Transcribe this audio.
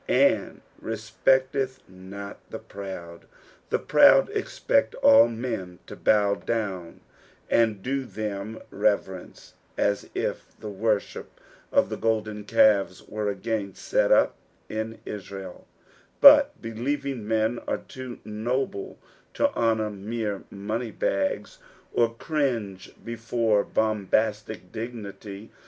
"And r« gpeettth not the proud.''' The proud expect all men to bow down and do them reverence, as if the worship of the golden calves were a^n set up in Israel ; but believing men are too noblu to honour mere money bags, or cringe before bombastic dignity.